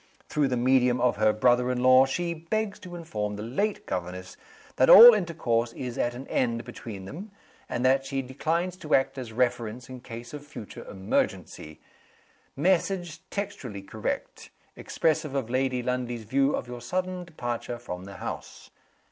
Through the medium of her brother in law, she begs to inform the late governess that all intercourse is at an end between them, and that she declines to act as reference in case of future emergency.' Message textually correct. Expressive of Lady Lundie's view of your sudden departure from the house.